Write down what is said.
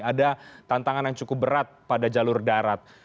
ada tantangan yang cukup berat pada jalur darat